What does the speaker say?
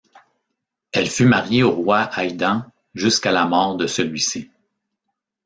Elle fut mariée au roi Aidan jusqu'à la mort de celui-ci.